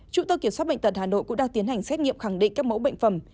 chủ tơ kiểm soát bệnh tận hà nội cũng đang tiến hành xét nghiệm khẳng định các mẫu bệnh phẩm